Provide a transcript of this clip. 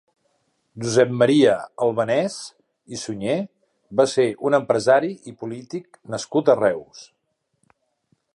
Josep Maria Albanès i Suñer va ser un empresari i polític nascut a Reus.